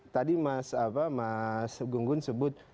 tadi mas gunggun sebut